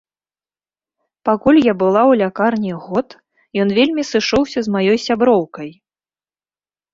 Пакуль я была ў лякарні год, ён вельмі сышоўся з маёй сяброўкай.